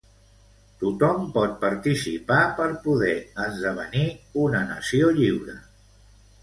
Tothom pot participar per poder esdevenir una nació lliure.